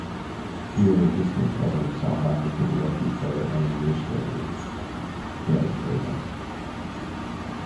He was a distant cousin of South African rugby player and administrator Danie Craven.